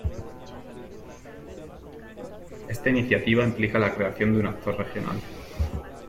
Esta iniciativa implica la creación de un actor regional.